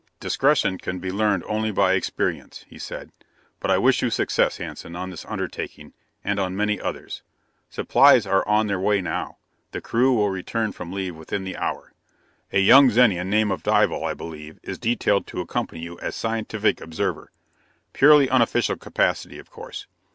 "Discretion can be learned only by experience," he said. "But I wish you success, Hanson; on this undertaking, and on many others. Supplies are on their way now; the crew will return from leave within the hour. A young Zenian, name of Dival, I believe, is detailed to accompany you as scientific observer purely unofficial capacity, of course.